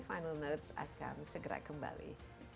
final notes akan segera kembali